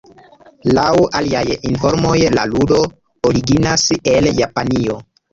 Laŭ aliaj informoj la ludo originas el Japanio.